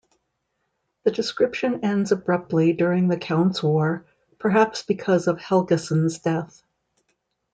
The description ends abruptly during the Count's War, perhaps because of Helgesen's death.